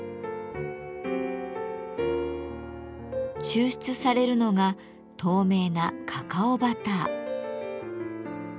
抽出されるのが透明な「カカオバター」。